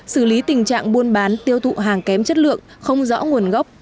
xử lý tình trạng buôn bán tiêu thụ hàng kém chất lượng không rõ nguồn gốc